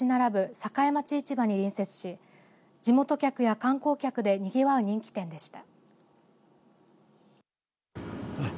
栄町市場に隣接し地元客や観光客でにぎわう人気店でした。